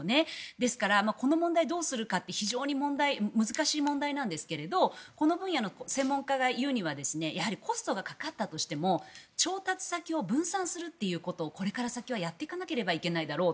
ですから、この問題をどうするか難しい問題なんですけどこの分野の専門家が言うにはやはりコストがかかったとしても調達先を分散するということをこれから先はやっていかなければいけないだろう。